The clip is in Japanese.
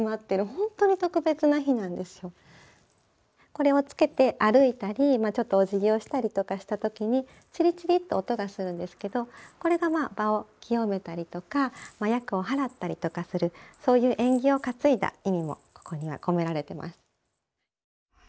これをつけて歩いたりちょっとおじぎをしたりとかした時にチリチリと音がするんですけどこれがまあ場を清めたりとか厄を払ったりとかするそういう縁起を担いだ意味もここには込められてます。